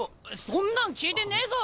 そんなん聞いてねえぞ！